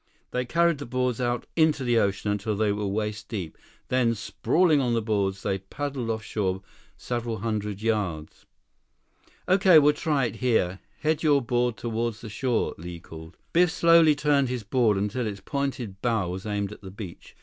They carried the boards out into the ocean until they were waist deep. Then, sprawling on the boards, they paddled off shore several hundred yards. "Okay, we'll try it here. Head your board toward shore," Li called. Biff slowly turned his board until its pointed bow was aimed at the beach.